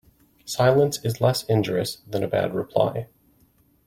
Silence is less injurious than a bad reply.